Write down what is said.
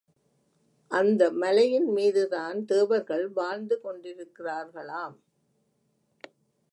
அந்த மலையின் மீதுதான் தேவர்கள் வாழ்ந்து கொண்டிருக்கிறார்களாம்.